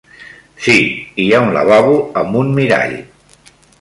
Sí, hi ha un lavabo amb un mirall.